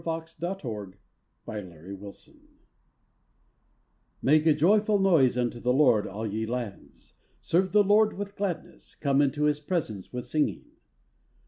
A THANKSGIVING PSALM Make a joyful noise unto the Lord, all ye lands. Serve the Lord with gladness: Come unto his presence with singing.